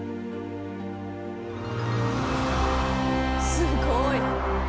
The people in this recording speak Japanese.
すごい。